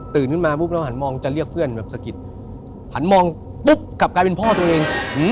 ขึ้นมาปุ๊บเราหันมองจะเรียกเพื่อนแบบสะกิดหันมองปุ๊บกลับกลายเป็นพ่อตัวเอง